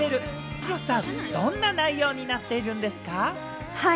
広瀬さん、どんな内容になっているんですか？